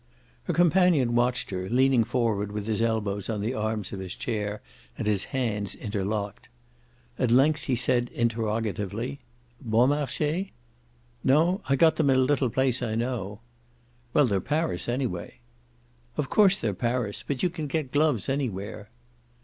Her companion watched her, leaning forward with his elbows on the arms of his chair and his hands interlocked. At last he said interrogatively: "Bon Marche?" "No, I got them in a little place I know." "Well, they're Paris anyway." "Of course they're Paris. But you can get gloves anywhere."